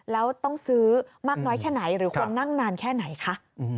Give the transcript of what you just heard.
แล้วต้องซื้อมากน้อยแค่ไหนหรือควรนั่งนานแค่ไหนคะ